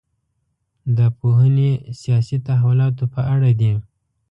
دا پوهنې سیاسي تحولاتو په اړه دي.